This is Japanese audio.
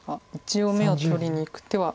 一応眼を取りにいく手は。